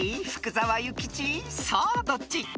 ［さあどっち？］